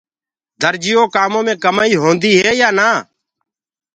درجيو ڪآمون مي ڪمآئي هوندي هي يآن نآ